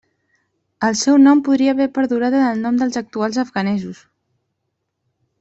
El seu nom podria haver perdurat en el nom dels actuals Afganesos.